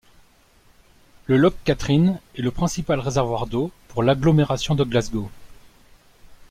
Le Loch Katrine est le principal réservoir d'eau pour l'agglomération de Glasgow.